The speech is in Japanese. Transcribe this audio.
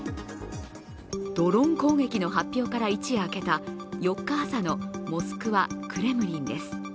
ドローン攻撃の発表から一夜明けた４日朝のモスクワ・クレムリンです。